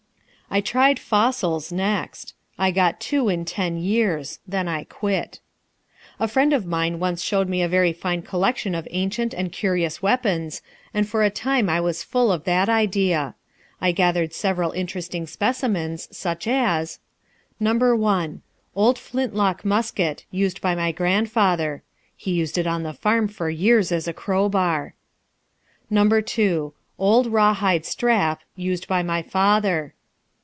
I tried fossils next. I got two in ten years. Then I quit. A friend of mine once showed me a very fine collection of ancient and curious weapons, and for a time I was full of that idea. I gathered several interesting specimens, such as: No. 1. Old flint lock musket, used by my grandfather. (He used it on the farm for years as a crowbar.) No. 2. Old raw hide strap, used by my father.